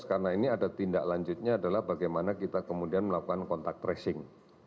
karena ini ada tindak lanjutnya adalah bagaimana kita kemudian melakukan kontak tracing